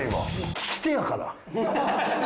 利き手やから。